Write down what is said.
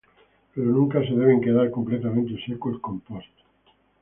Pero nunca se deben quedar completamente seco el compost.